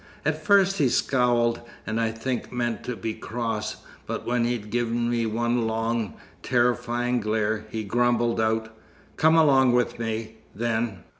At first he scowled, and I think meant to be cross, but when he'd given me one long, terrifying glare, he grumbled out: "Come along with me, then.